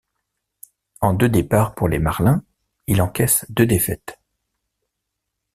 En deux départs pour les Marlins, il encaisse deux défaites.